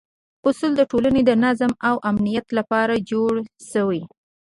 اصول د ټولنې د نظم او امنیت لپاره جوړ شوي.